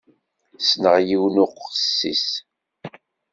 Ssneɣ yiwen uqessis.